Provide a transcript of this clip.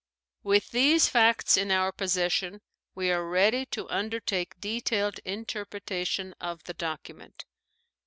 With these facts in our possession swe are ready to under take detailed interpretation of the document.